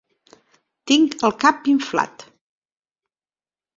Tinc el cap inflat.